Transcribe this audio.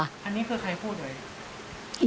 อันนี้คือใครพูดอย่างนั้น